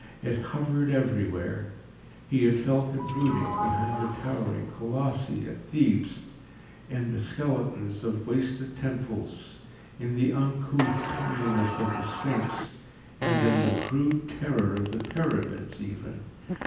It hovered everywhere. He had felt it brooding behind the towering Colossi at Thebes, in the skeletons of wasted temples, in the uncouth comeliness of the Sphinx, and in the crude terror of the Pyramids even.